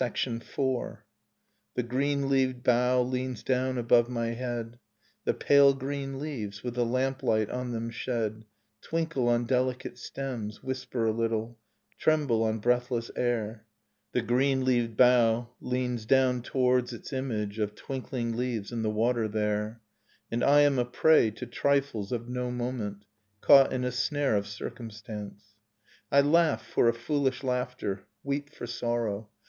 Nocturne in a Minor Key IV. The green leaved bough leans down above my head, The pale green leaves, with the lamplight on them shed, Twinkle on delicate stems, whisper a little, Tremble on breathless air. The green leaved bough leans down towards its image Of twinkling leaves in the water there ... And I am a prey to trifles of no moment, Caught in a snare of circumstance, I laugh for a foolish laughter, weep for sorrow.